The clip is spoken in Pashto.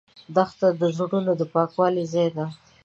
دښته د زړونو د پاکوالي ځای ده.